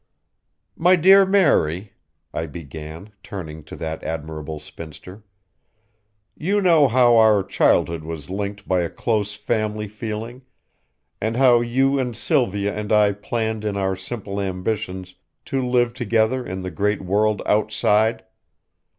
"My dear Mary," I began, turning to that admirable spinster, "you know how our childhood was linked by a close family feeling, and how you and Sylvia and I planned in our simple ambitions to live together in the great world outside.